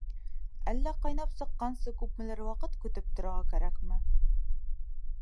Әллә, ҡайнап сыҡҡансы, күпмелер ваҡыт көтөп торорға кәрәкме?